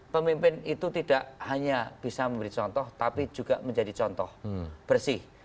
pemimpin itu tidak hanya bisa memberi contoh tapi juga menjadi contoh bersih